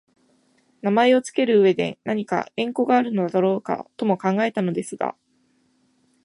名前をつける上でなにか縁故があるのだろうかとも考えたのですが、